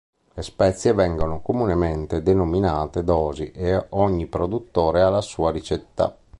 Le spezie vengo comunemente denominate dosi e ogni produttore ha la sua ricetta.